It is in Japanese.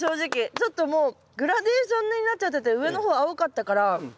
ちょっともうグラデーションになっちゃってて上の方青かったから。